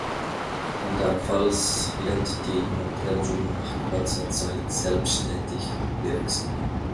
Andernfalls wird die Notbremsung nach kurzer Zeit selbsttätig wirksam.